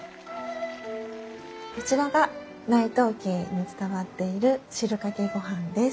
そちらが内藤家に伝わっている汁かけ御飯です。